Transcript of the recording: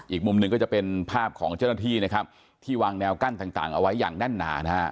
อีกมุมหนึ่งก็จะเป็นภาพของเจ้าหน้าที่นะครับที่วางแนวกั้นต่างเอาไว้อย่างแน่นหนานะฮะ